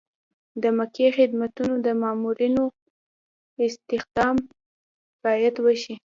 د ملکي خدمتونو د مامورینو استخدام باید وشي.